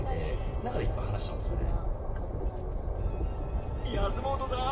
だから、いっぱい話しちゃうんですよね。